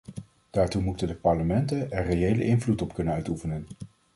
Daartoe moeten de parlementen er reële invloed op kunnen uitoefenen.